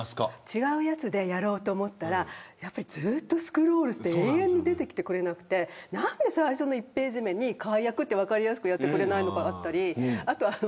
違うやつでやろうと思ったらずっとスクロールして永遠に出てきてくれなくて何で最初の１ページ目に解約と分かりやすくやってくれないのかだったり